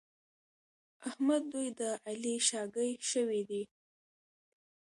احمد دوی د علي شاګی شوي دي.